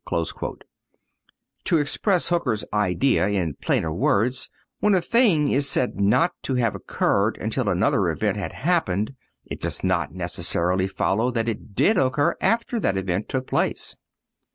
(224) To express Hooker's idea in plainer words, when a thing is said not to have occurred until another event had happened, it does not necessarily follow that it did occur after that event took place.